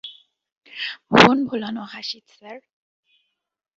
ভুবনভোলানো হাসি, স্যার।